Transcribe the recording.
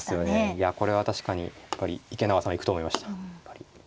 いやこれは確かにやっぱり池永さんは行くと思いました。